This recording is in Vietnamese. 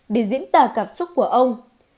để diễn tả cảm xúc của ông